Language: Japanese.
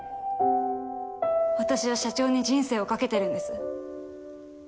私は社長に人生を懸けてるんです。